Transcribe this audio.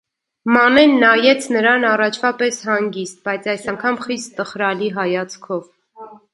Մանեն նայեց նրան առաջվա պես հանգիստ, բայց այս անգամ խիստ տխրալի հայացքով: